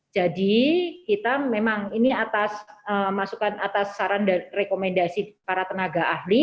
jadi kita memang ini atas masukan atas saran dan rekomendasi para tenaga ahli